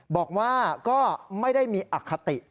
บอกว่าก็ไม่ได้มีอคติ